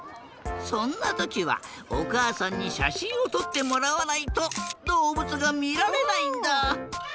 そんなときはおかあさんにしゃしんをとってもらわないとどうぶつがみられないんだ。